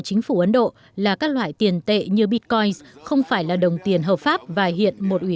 chính phủ ấn độ là các loại tiền tệ như bitcoin không phải là đồng tiền hợp pháp và hiện một ủy